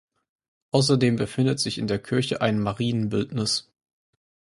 Außerdem befindet sich in der Kirche ein Marienbildnis.